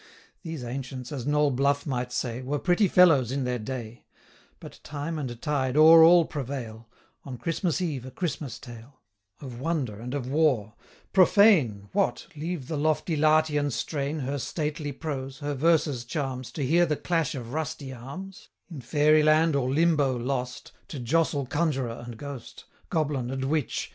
130 These ancients, as Noll Bluff might say, 'Were pretty fellows in their day;' But time and tide o'er all prevail On Christmas eve a Christmas tale Of wonder and of war 'Profane! 135 What! leave the lofty Latian strain, Her stately prose, her verse's charms, To hear the clash of rusty arms: In Fairy Land or Limbo lost, To jostle conjurer and ghost, 140 Goblin and witch!'